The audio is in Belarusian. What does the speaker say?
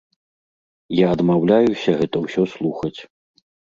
Я адмаўляюся гэта ўсё слухаць.